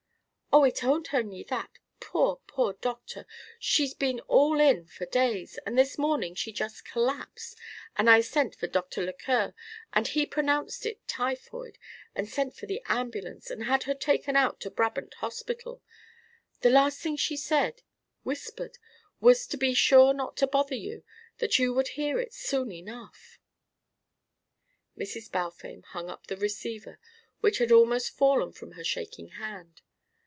"Oh, it ain't only that. Poor poor Doctor! She's been all in for days, and this morning she just collapsed, and I sent for Dr. Lequeur, and he pronounced it typhoid and sent for the ambulance and had her taken out to Brabant Hospital. The last thing she said whispered was to be sure not to bother you, that you would hear it soon enough " Mrs. Balfame hung up the receiver, which had almost fallen from her shaking hand.